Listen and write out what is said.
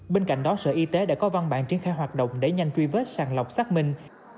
bên cạnh đó sở y tế đã có văn bản triển khai hoạt động để nhanh truy vết sàng lọc xác minh